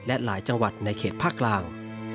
และหลายจังหวัดในเขตภาคกลาง